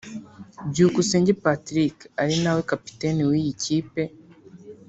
Byukusenge Patrick ari nawe kapiteni w’iyi kipe